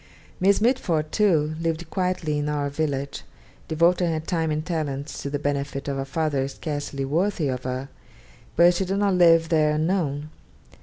Miss Mitford, too, lived quietly in 'Our Village,' devoting her time and talents to the benefit of a father scarcely worthy of her; but she did not live there unknown.